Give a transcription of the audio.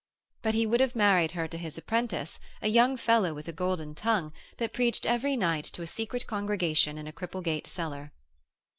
But he would have married her to his apprentice, a young fellow with a golden tongue, that preached every night to a secret congregation in a Cripplegate cellar.